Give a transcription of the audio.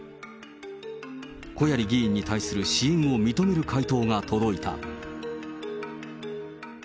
小鑓議員に対する支援を認める回答が届いた。